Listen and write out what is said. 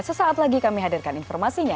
sesaat lagi kami hadirkan informasinya